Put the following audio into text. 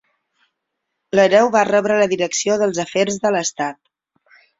L'hereu va rebre la direcció dels afers de l'estat.